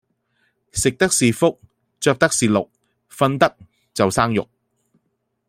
食得是福着得是祿瞓得就生肉